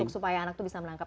supaya anak itu bisa menangkap